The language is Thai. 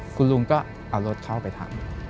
คุณลุงก็เอารถเข้าไปทำ